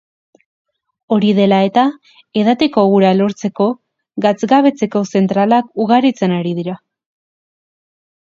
Hori dela eta, edateko ura lortzeko, gatzgabetzeko zentralak ugaritzen ari dira.